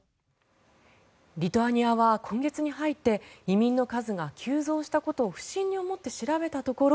リトアニアは今月に入って移民の数が急増したことを不審に思って調べたところ